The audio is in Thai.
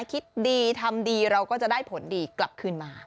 คิดดีทำดีเราก็จะได้ผลดีกลับคืนมา